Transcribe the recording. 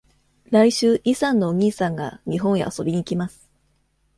来週イさんのお兄さんが日本へ遊びに来ます。